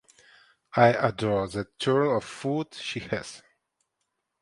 I adore that turn of foot she has.